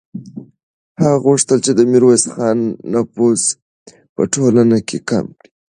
هغه غوښتل چې د میرویس خان نفوذ په ټولنه کې کم کړي.